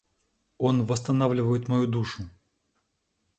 Он восстанавливает мою душу.